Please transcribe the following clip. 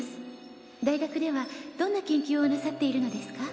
「大学ではどんな研究をなさっているのですか？」